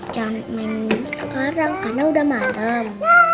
jangan minum sekarang karena udah malem